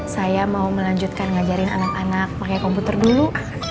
saya mau melanjutkan ngajarin anak anak pakai komputer dulu